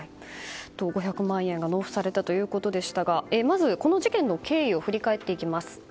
５００万円が納付されたということでしたがまずこの事件の経緯を振り返っていきます。